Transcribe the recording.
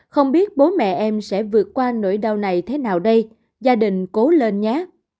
không biết bố mẹ em sẽ vượt qua nỗi đau này thế nào đây gia đình cố lên nhá